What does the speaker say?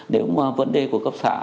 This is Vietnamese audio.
nếu mà vấn đề của cấp xã